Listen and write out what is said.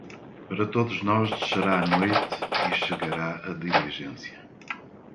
Para todos nós descerá a noite e chegará a diligência.